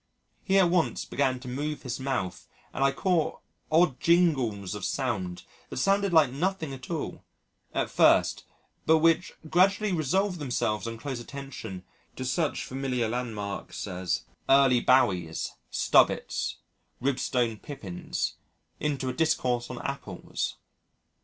He at once began to move his mouth, and I caught odd jingles of sound that sounded like nothing at all at first, but which gradually resolved themselves on close attention to such familiar landmarks as "Early Boughies," "Stubbits," "Ribstone Pippins" into a discourse on Apples.